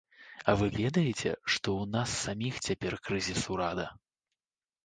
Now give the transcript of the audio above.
А вы ведаеце, што ў нас саміх цяпер крызіс ўрада.